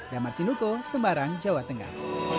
damar sinuko semarang jawa tengah